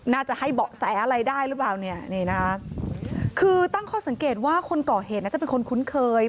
น่าจะให้เบาะแสอะไรได้หรือเปล่าเนี่ยนี่นะคะคือตั้งข้อสังเกตว่าคนก่อเหตุน่าจะเป็นคนคุ้นเคย